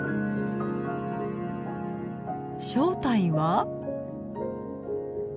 正体は？